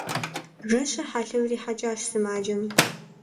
Жэщыр хьэлъэу ирихьэкӀащ сымаджэм.